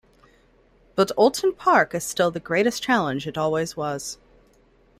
But Oulton Park is still the great challenge it always was.